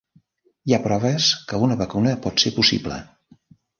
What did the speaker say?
Hi ha proves que una vacuna pot ser possible.